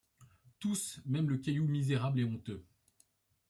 Tous, même le caillou misérable et honteux